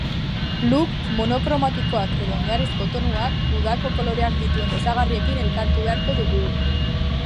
Look monokromatikoak edo oinarrizko tonuak, udako koloreak dituen osagarriekin elkartu beharko dugu.